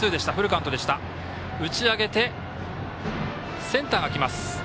打ち上げてセンターが来ます。